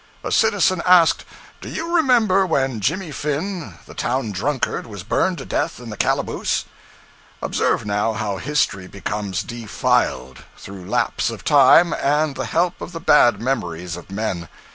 A citizen asked, 'Do you remember when Jimmy Finn, the town drunkard, was burned to death in the calaboose?' Observe, now, how history becomes defiled, through lapse of time and the help of the bad memories of men.